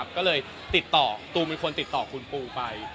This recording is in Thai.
ก็เลยติดต่อตูมเป็นคนติดต่อคุณปูไป